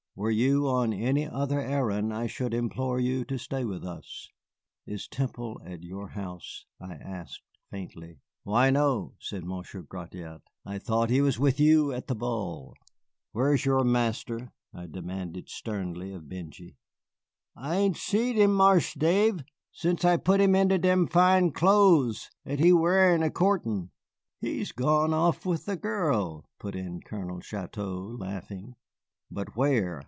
Were you on any other errand I should implore you to stay with us." "Is Temple at your house?" I asked faintly. "Why, no," said Monsieur Gratiot; "I thought he was with you at the ball." "Where is your master?" I demanded sternly of Benjy. "I ain't seed him, Marse Dave, sence I put him inter dem fine clothes 'at he w'ars a cou'tin'." "He has gone off with the girl," put in Colonel Chouteau, laughing. "But where?"